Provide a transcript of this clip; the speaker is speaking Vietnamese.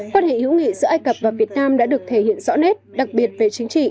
quan hệ hữu nghị giữa ai cập và việt nam đã được thể hiện rõ nét đặc biệt về chính trị